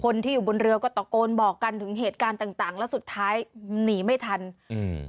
คนที่อยู่บนเรือก็ตะโกนบอกกันถึงเหตุการณ์ต่างต่างแล้วสุดท้ายหนีไม่ทันอืม